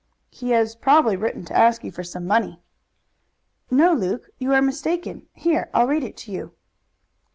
"He has probably written to ask you for some money." "No, Luke, you are mistaken. I will read it to you."